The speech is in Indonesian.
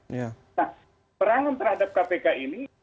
nah perangan terhadap kpk ini